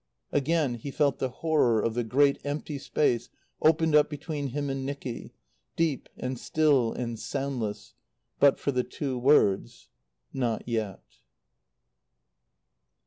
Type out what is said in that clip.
Again he felt the horror of the great empty space opened up between him and Nicky, deep and still and soundless, but for the two words: "Not yet."